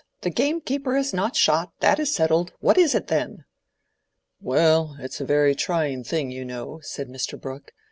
The gamekeeper is not shot: that is settled. What is it, then?" "Well, it's a very trying thing, you know," said Mr. Brooke.